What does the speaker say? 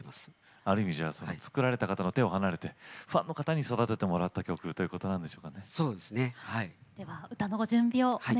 ある意味、作られた方の手を離れてファンの方に育ててもらった曲ということなんでしょうか。